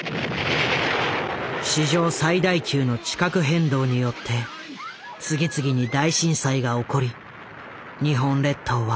史上最大級の地殻変動によって次々に大震災が起こり日本列島は丸ごと